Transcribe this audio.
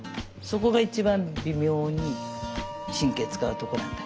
そこが一番微妙に神経使うとこなんだけど。